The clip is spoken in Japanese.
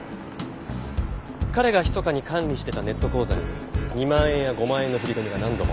彼が密かに管理してたネット口座に２万円や５万円の振り込みが何度も。